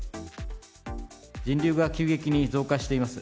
人流が急激に増加しています。